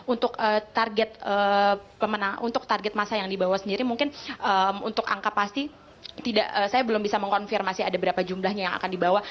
untuk target masa yang dibawa sendiri mungkin untuk angka pasti saya belum bisa mengkonfirmasi ada berapa jumlahnya yang akan dibawa